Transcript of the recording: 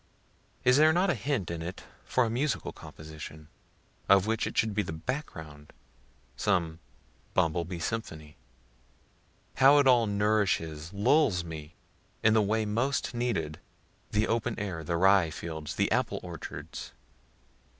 (Is there not a hint in it for a musical composition, of which it should be the back ground? some bumble bee symphony?) How it all nourishes, lulls me, in the way most needed; the open air, the rye fields, the apple orchards.